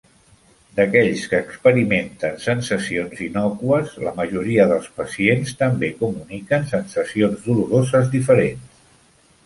D'aquells que experimenten sensacions innòcues, la majoria dels pacients també comuniquen sensacions doloroses diferents.